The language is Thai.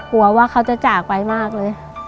ว่าเขาจะจากไปมากเลย